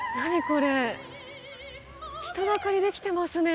これ人だかりできてますね